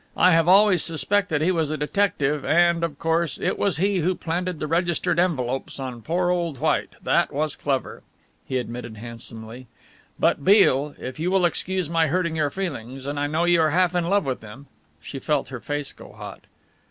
I have always suspected he was a detective, and, of course, it was he who planted the registered envelopes on poor old White that was clever," he admitted handsomely, "but Beale, if you will excuse my hurting your feelings and I know you are half in love with him " She felt her face go hot.